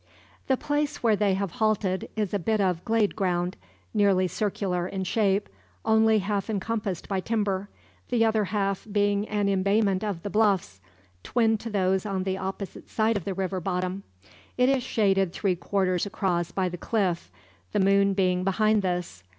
The place where they have halted is a bit of glade ground, nearly circular in shape, only half encompassed by timber, the other half being an embayment of the bluffs, twin to those on the opposite side of the river bottom. It is shaded three quarters across by the cliff, the moon being behind this.